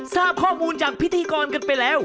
ทราบข้อมูลจากพิธีกรกันไปแล้ว